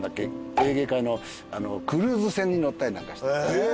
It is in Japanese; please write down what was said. エーゲ海のクルーズ船に乗ったりなんかしてさ。